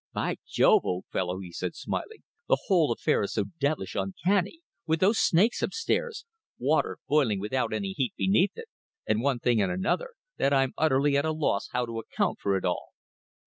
"By Jove! old fellow," he said smiling, "the whole affair is so devilish uncanny, with those snakes upstairs, water boiling without any heat beneath it, and one thing and another, that I'm utterly at a loss how to account for it all."